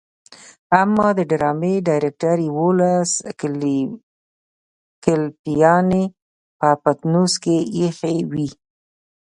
اما د ډرامې ډايرکټر يوولس ګلپيانې په پټنوس کې ايښې وي.